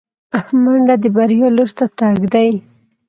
منډه د بریا لور ته تګ دی